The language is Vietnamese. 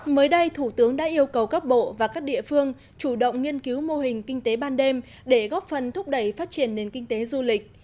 mới đây thủ tướng đã yêu cầu các bộ và các địa phương chủ động nghiên cứu mô hình kinh tế ban đêm để góp phần thúc đẩy phát triển nền kinh tế du lịch